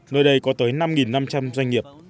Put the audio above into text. nơi đây có tới năm năm trăm linh doanh nghiệp